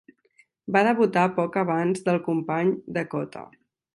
Va debutar poc abans del company Dakota.